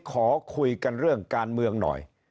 ขอคุยกันเรื่องการเมืองหน่อย